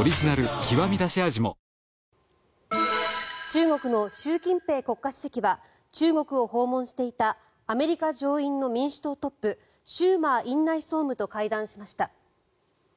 中国の習近平国家主席は中国を訪問していたアメリカ上院の民主党トップシューマー院内総務と会談しました。